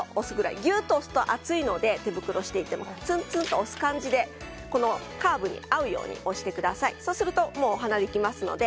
ギュッと押すと熱いので手袋をしていてもツンツンとカーブに合うように押してください。